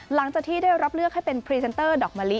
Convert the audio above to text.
หลังจากที่ได้รับเลือกให้เป็นพรีเซนเตอร์ดอกมะลิ